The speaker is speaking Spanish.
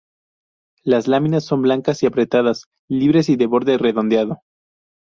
Las láminas son blancas y apretadas, libres y de borde redondeado.